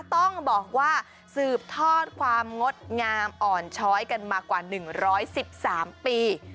ต้องบอกว่าสืบทอดความงดงามอ่อนช้อยกันมากว่า๑๑๓ปี